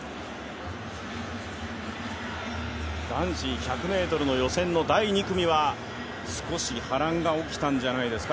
男子１００ｍの予選の第２組は少し波乱が起きたんじゃないですか？